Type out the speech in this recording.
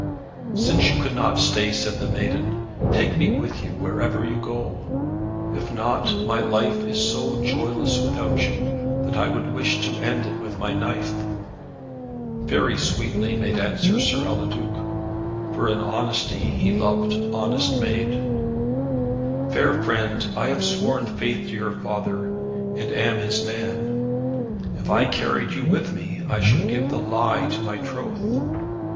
"Since you cannot stay," said the maiden, "take me with you, wherever you go. If not, my life is so joyless without you, that I would wish to end it with my knife." Very sweetly made answer Sir Eliduc, for in honesty he loved honest maid, "Fair friend, I have sworn faith to your father, and am his man. If I carried you with me, I should give the lie to my troth.